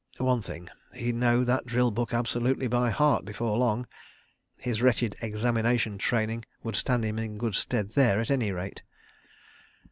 ... One thing—he'd know that drill book absolutely by heart before long. His wretched examination training would stand him in good stead there, at any rate.